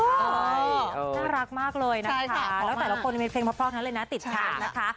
น่ารักมากเลยนะคะแล้วแต่ละคนมีเพลงพอเลยนะติดตามนะคะ